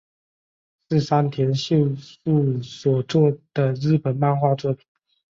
是山田秀树所作的日本漫画作品。